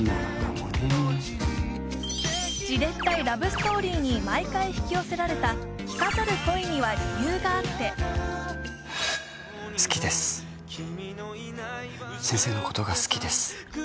ラブストーリーに毎回引き寄せられた好きです先生のことが好きです